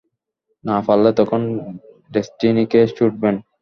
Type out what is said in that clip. না পারলে তখন ডেস্টিনিকে ছুড়বেন।